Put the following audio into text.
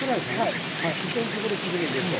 はい２ｃｍほど切り目入れると。